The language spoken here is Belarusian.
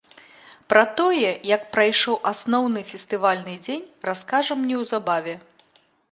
Пра тое, як прайшоў асноўны фестывальны дзень, раскажам неўзабаве.